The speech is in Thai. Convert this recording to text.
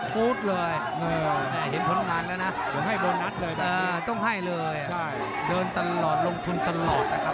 อ๋อพยานมากหรือเดือนอีกขึ้น